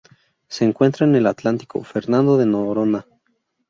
Se encuentra en el Atlántico: Fernando de Noronha.